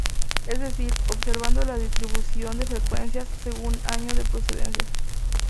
Es decir, observando la distribución de frecuencias según año de procedencia.